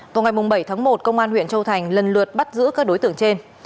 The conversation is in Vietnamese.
vào ngày bảy tháng một công an huyện châu thành lần lượt bắt giữ các đối tượng trên